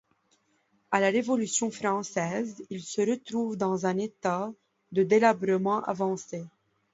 À la Révolution française, il se retrouve dans un état de délabrement avancé.